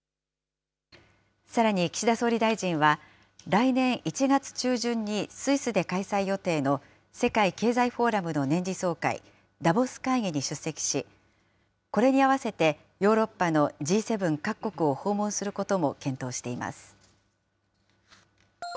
さらに岸田総理大臣は、来年１月中旬にスイスで開催予定の世界経済フォーラムの年次総会、ダボス会議に出席し、これに合わせて、ヨーロッパのＧ７各国を訪問することも検討しています。